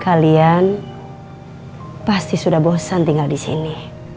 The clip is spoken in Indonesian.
kalian pasti sudah bosan tinggal disini